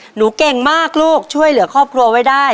หนูเก่งมากลูกช่วยเหลือครอบครัวไว้ได้